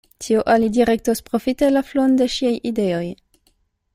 Tio alidirektos profite la fluon de ŝiaj ideoj.